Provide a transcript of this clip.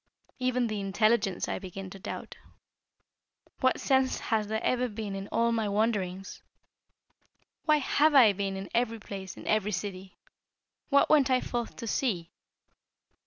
Even the intelligence I begin to doubt. What sense has there ever been in all my wanderings? Why have I been in every place, in every city? What went I forth to see?